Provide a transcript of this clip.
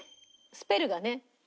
スペルがね。